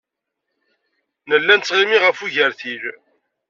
Nella nettɣima ɣef ugertil.